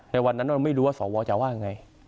ในวันนั้นเราไม่รู้ว่าสวจะว่าไง